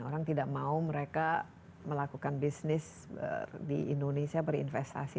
orang tidak mau mereka melakukan bisnis di indonesia berinvestasi